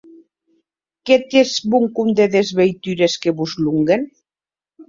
Que tietz bon compde des veitures que vos lòguen!